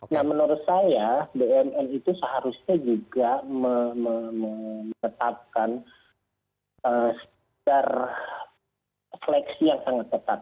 nah menurut saya bnn itu seharusnya juga menetapkan refleksi yang sangat tepat